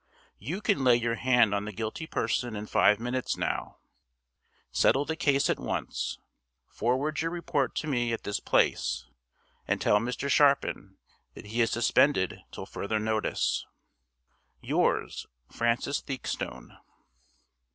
You can lay your hand on the guilty person in five minutes, now. Settle the case at once; forward your report to me at this place, and tell Mr. Sharpin that he is suspended till further notice. Yours, FRANCIS THEAKSTONE.